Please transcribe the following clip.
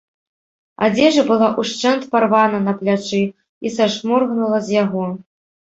Адзежа была ўшчэнт парвана на плячы і сашморгнута з яго.